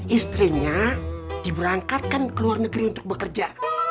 istrinya diberangkatkan ke luar negeri untuk bekerja